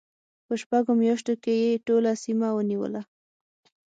په شپږو میاشتو کې یې ټوله سیمه ونیوله.